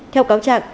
theo cáo trạng